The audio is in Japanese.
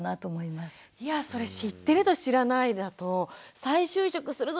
いやそれ知ってると知らないだと「再就職するぞ！」